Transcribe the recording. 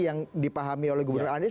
yang dipahami oleh gubernur anies